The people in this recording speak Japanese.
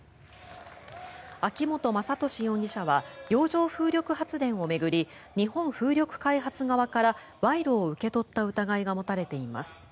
秋本真利容疑者は洋上風力発電を巡り日本風力開発側から賄賂を受け取った疑いが持たれています。